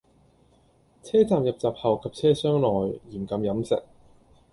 車站入閘後及車廂內，嚴禁飲食